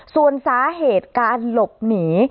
ส่วนสาเหตุการหลบหนี